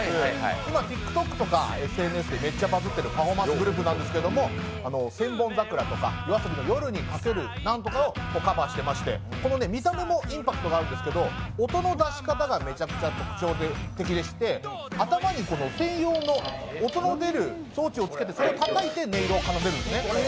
今、ＴｉｋＴｏｋとかＳＮＳでめっちゃバズっているパフォーマンスグループなんですけれども、「千本桜」とかＹＯＡＳＯＢＩの「夜に駆ける」などをカバーしていまして、この見た目もインパクトがあるんですけど音の出し方が特徴的でして頭に専用の音の出る装置をつけてそれをたたいて音色を奏でてるんですね。